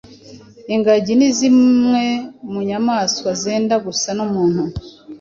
Ingagi ni zimwe mu nyamaswa zenda gusa n’umuntu